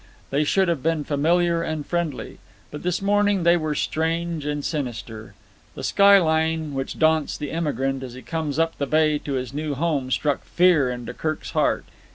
They should have been familiar and friendly. But this morning they were strange and sinister. The skyline which daunts the emigrant as he comes up the bay to his new home struck fear into Kirk's heart.